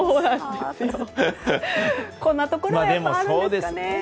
こんなところがあるんですかね。